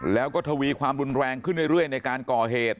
แล้วก็ทวีความรุนแรงขึ้นเรื่อยในการก่อเหตุ